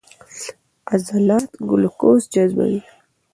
عضلات ګلوکوز جذبوي.